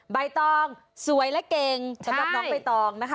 ใบตองสวยและเก่งสำหรับน้องใบตองนะคะ